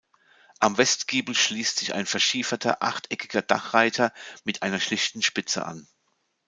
Am Westgiebel schließt sich ein verschieferter, achteckiger Dachreiter, mit einer schlichten Spitze an.